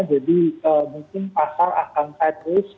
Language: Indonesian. jadi mungkin pasar akan catwaste